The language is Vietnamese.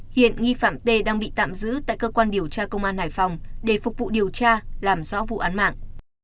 hiện nghi phạm t đang bị tạm giữ tại cơ quan điều tra công an hải phòng để phục vụ điều tra làm rõ vụ án mạng